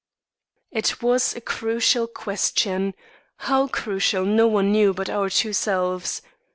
It was a crucial question how crucial no one knew but our two selves.